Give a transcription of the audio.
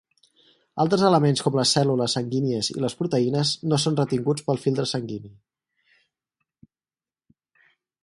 Altres elements com les cèl·lules sanguínies i les proteïnes no són retinguts pel filtre sanguini.